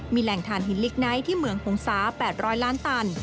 มีแหล่งฐานหินลิกไนท์ที่เหมืองหงษา๘๐๐ล้านตัน